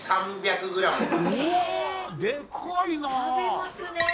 食べますね。